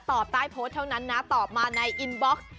ใต้โพสต์เท่านั้นนะตอบมาในอินบ็อกซ์